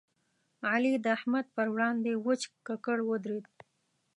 علي د احمد پر وړاندې وچ ککړ ودرېد.